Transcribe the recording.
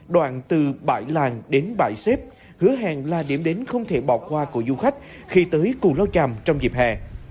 đoạn từ bãi làng đến bãi xếp hứa hẹn là điểm đến không thể bỏ qua của du khách khi tới cù lao tràm trong dịp hè